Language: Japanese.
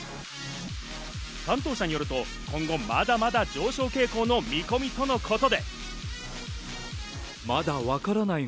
担当者によると、今後まだまだ上昇傾向の見込みとのことで。